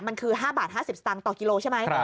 มันคือ๕บาท๕๐สตางค์ต่อกิโลใช่ไหม